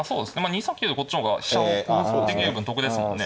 ２三桂よりこっちの方が飛車を得ですもんね。